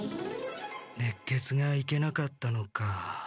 ねっけつがいけなかったのか。